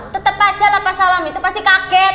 tetep aja lah pas salam itu pasti kaget